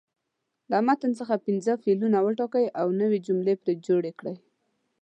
له متن څخه پنځه فعلونه وټاکئ او نوې جملې پرې جوړې کړئ.